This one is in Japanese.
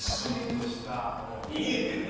見えてるね